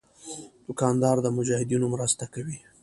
دوکاندار د مجاهدینو مرسته کوي.